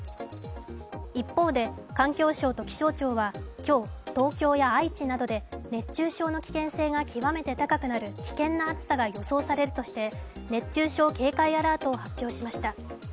一方で、環境省と気象庁は今日、東京や愛知などで熱中症の危険が高くなる危険な暑さが予想されるとして熱中症警戒アラートを発表しました。